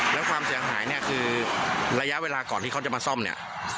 แล้วความเสียหายเนี่ยคือระยะเวลาก่อนที่เขาจะมาซ่อมเนี่ย